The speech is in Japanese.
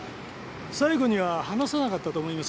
冴子には話さなかったと思います。